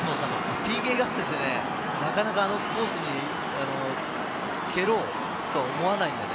ＰＫ合戦でなかなかあのコースに蹴ろうと思わないのでね。